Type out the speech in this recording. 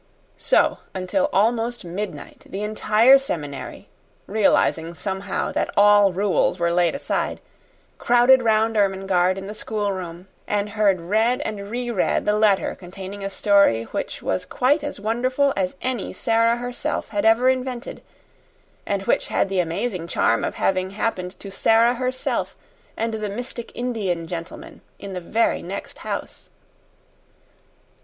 So until almost midnight the entire seminary, realizing somehow that all rules were laid aside, crowded round Ermengarde in the schoolroom and heard read and re read the letter containing a story which was quite as wonderful as any Sara herself had ever invented, and which had the amazing charm of having happened to Sara herself and the mystic Indian gentleman in the very next house.